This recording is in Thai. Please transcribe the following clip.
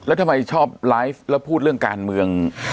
แล้วทำไมชอบไลฟ์แล้วพูดเรื่องการเมือง